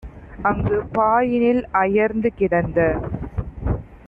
அங்குப் பாயினில் அயர்ந்து கிடந்த